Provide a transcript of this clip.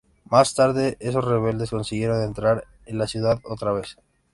Más tarde, esos rebeldes consiguieron entrar en la ciudad otra vez.